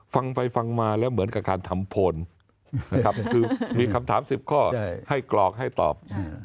ฟังไปฟังมาแล้วเหมือนกับการทำโพนนะครับคือมีคำถาม๑๐ข้อให้กรอกให้ตอบ